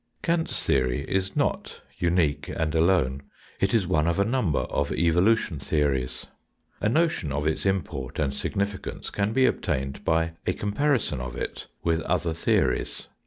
Kant's theory is not unique and alone. It is one of a number of evolution theories. A notion of its import and significance can be obtained by a comparison of it with other theories.